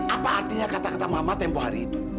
apa artinya kata kata mama tempoh hari itu